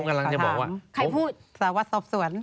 ผมกำลังจะบอกว่าสารวัตรสอบสวน